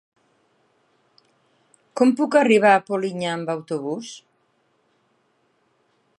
Com puc arribar a Polinyà amb autobús?